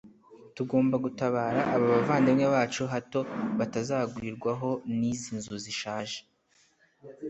tugomba gutabara aba bavandimwe bacu hato batazagwirwaho n’izi nzu zishaje